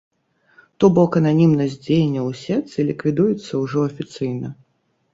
То бок ананімнасць дзеянняў у сетцы ліквідуецца ўжо афіцыйна.